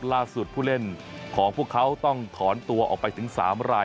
ผู้เล่นของพวกเขาต้องถอนตัวออกไปถึง๓ราย